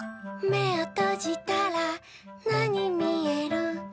「めをとじたらなにみえる？」